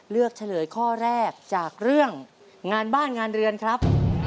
เฉลยข้อแรกจากเรื่องงานบ้านงานเรือนครับ